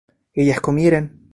ellas comieran